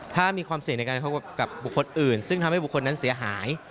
ถ้ามีความเสี่ยงในการพบกับบุคคลอื่นซึ่งทำให้บุคคลนั้นเสียหาย